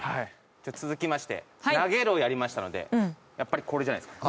じゃあ続きまして「投げる」をやりましたのでやっぱりこれじゃないですか？